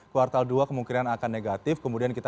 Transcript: kuartal dua kemungkinan akan negatif kemudian kita